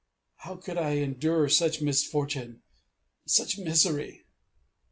How could I endure such misfortune such misery?